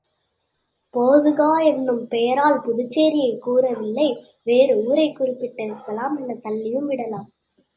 பொதுகா என்னும் பெயரால் புதுச்சேரியைக் கூறவில்லை வேறு ஊரைக் குறிப்பிட்டிருக்கலாம் எனத் தள்ளியும் விடலாம்.